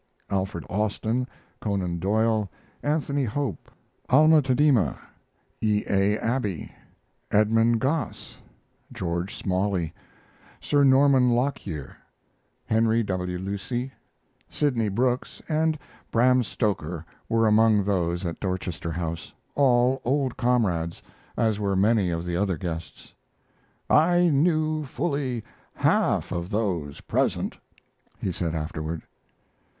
Alfred Austin, Conan Doyle, Anthony Hope, Alma Tadema, E. A. Abbey, Edmund Goss, George Smalley, Sir Norman Lockyer, Henry W. Lucy, Sidney Brooks, and Bram Stoker were among those at Dorchester House all old comrades, as were many of the other guests. "I knew fully half of those present," he said afterward.